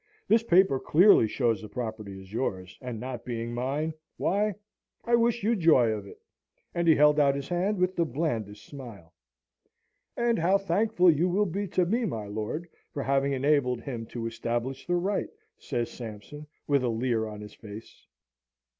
This paper clearly shows the property is yours: and not being mine why, I wish you joy of it!" and he held out his hand with the blandest smile. "And how thankful you will be to me, my lord, for having enabled him to establish the right," says Sampson, with a leer on his face.